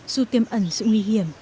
dù tiêm ẩn sự nguy hiểm